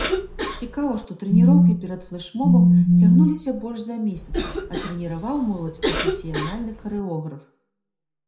Цікава, што трэніроўкі перад флэшмобам цягнуліся больш за месяц, а трэніраваў моладзь прафесіянальны харэограф.